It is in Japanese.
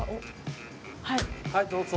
はいどうぞ。